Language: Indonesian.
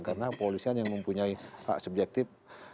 karena polisian yang mempunyai hak subjektif